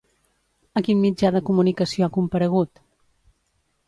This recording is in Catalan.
A quin mitjà de comunicació ha comparegut?